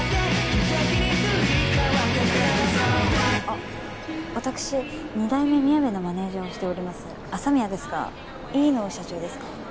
あっ私二代目みやべのマネージャーをしております麻宮ですが飯野社長ですか？